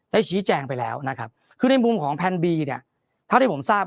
ได้ชี้แจงไปแล้วนะครับในมุมของแพนบีเนี่ยถ้าผมทราบ